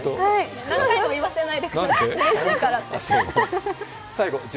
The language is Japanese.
何度も言わせないでください